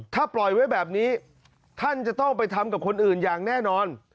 ถ้าปล่อยไว้แบบนี้ท่านจะต้องไปทำกับคนอื่นอย่างแน่นอน